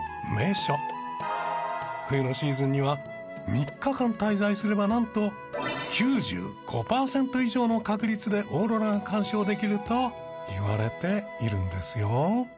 冬のシーズンには３日間滞在すればなんと９５パーセント以上の確率でオーロラが観賞できるといわれているんですよ。